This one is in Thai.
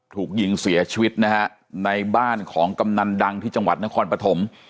ถูกยิงเสียชีวิตนะฮะในบ้านของกำนันดังที่จังหวัดนครปฐม